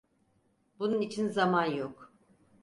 Bunun için zaman yok.